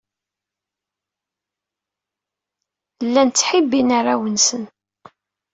Llan ttbibbin arraw-nsen.